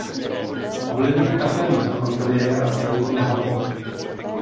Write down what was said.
Ovlivňují také mitochondrie a odezvu na hormony.